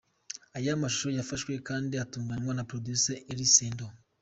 Aya mashusho yafashwe kandi atunganywa na Producer Eliel Sando.